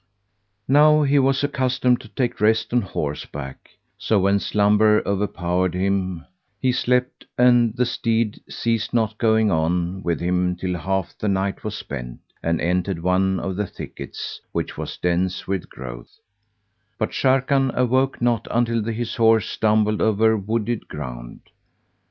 Now he was accustomed to take rest on horseback; so when slumber overpowered him, he slept and the steed ceased not going on with him till half the night was spent and entered one of the thickets[FN#160] which was dense with growth; but Sharrkan awoke not until his horse stumbled over wooded ground.